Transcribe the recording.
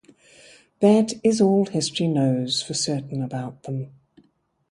That is all history knows for certain about them.